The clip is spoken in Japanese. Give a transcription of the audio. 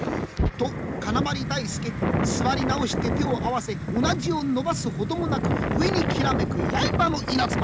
と金碗大助座り直して手を合わせうなじを伸ばすほどもなく上にきらめく刃の稲妻！